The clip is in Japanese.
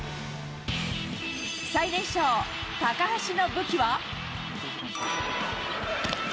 最年少、高橋の武器は。